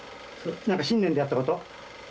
・何か信念でやったこと？